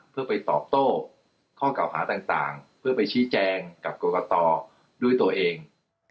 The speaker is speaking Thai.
เพื่อไปตอบโต้ข้อเก่าหาต่างเพื่อไปชี้แจงกับกรกตด้วยตัวเอง